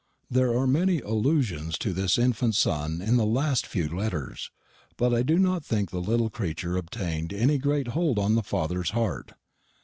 There are many allusions to this infant son in the last few letters; but I do not think the little creature obtained any great hold on the father's heart.